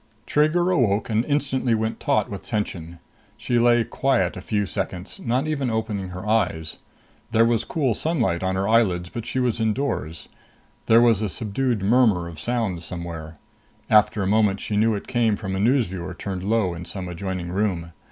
Trigger awoke and instantly went taut with tension. She lay quiet a few seconds, not even opening her eyes. There was cool sunlight on her eyelids, but she was indoors. There was a subdued murmur of sound somewhere; after a moment she knew it came from a news viewer turned low, in some adjoining room.